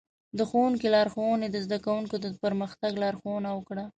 د ښوونکي لارښوونې د زده کوونکو د پرمختګ لارښوونه وکړه.